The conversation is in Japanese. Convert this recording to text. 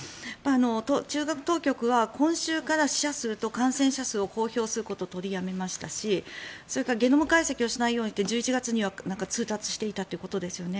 中国当局は今週から死者数と感染者数を公表することを取りやめましたしそれからゲノム解析をしないようにって１１月には通達していたということですよね。